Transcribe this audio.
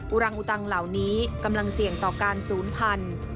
อุรังอุตังเหล่านี้กำลังเสี่ยงต่อการศูนย์พันธุ์